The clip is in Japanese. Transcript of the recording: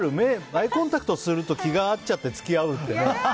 アイコンタクトすると気が合っちゃって付き合うってね。